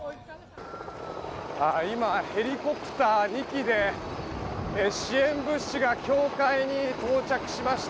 今、ヘリコプター２機で支援物資が教会に到着しました。